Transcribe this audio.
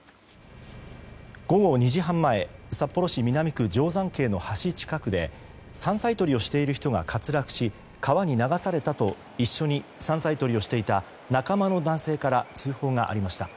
午後２時半前札幌市南区定山渓の橋近くで山菜採りをしている人が滑落し川に流されたと一緒に山菜採りをしていた仲間の男性から通報がありました。